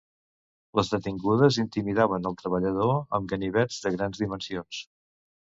Les detingudes intimidaven el treballador amb ganivets de grans dimensions.